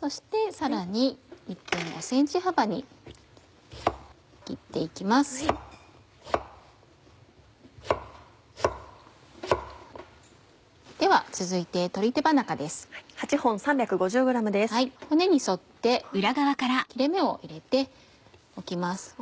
骨に沿って切れ目を入れておきます。